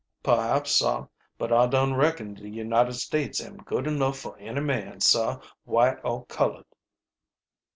"Perhaps, sah; but I dun reckon de United States am good enough for any man, sah, white or colored."